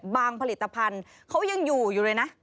บางผลิตภัณฑ์เขายังอยู่เลยนะ